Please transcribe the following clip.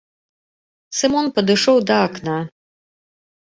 Сымон падышоў да акна.